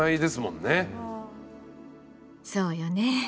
そうよね。